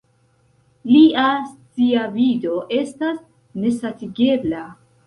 Lia sciavido estas nesatigebla.